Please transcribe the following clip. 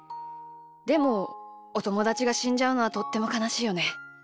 でもおともだちがしんじゃうのはとってもかなしいよね。